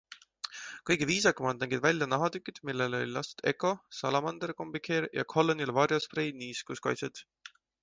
Kõige viisakamad nägid välja nahatükid, millele oli lastud Ecco, Salamander Combi Care ja Collonil Vario Spray niiskuskaitset.